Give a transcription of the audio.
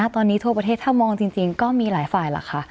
ตอนนี้ทั่วประเทศถ้ามองจริงก็มีหลายฝ่ายล่ะค่ะ